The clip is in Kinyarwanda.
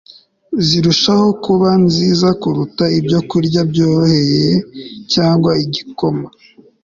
zirushaho kuba nziza kuruta ibyokurya byorohereye cyangwa igikoma